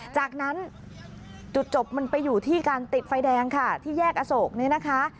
จากนั้นจุดจบมันไปอยู่ที่การติดไฟแดงค่ะที่แยกอโศกเนี่ยนะคะ